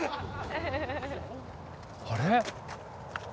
あれ？